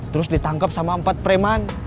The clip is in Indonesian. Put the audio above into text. terus ditangkap sama empat preman